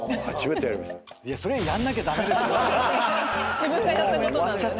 自分がやったことなんで。